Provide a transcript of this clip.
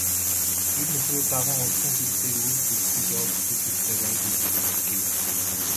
"Эр нөхрөө даган улсын хил дээр үүрэг гүйцэтгэж яваа бүсгүйчүүддээ баяр хүргэе" гэв.